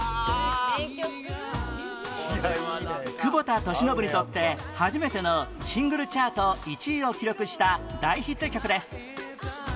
久保田利伸にとって初めてのシングルチャート１位を記録した大ヒット曲です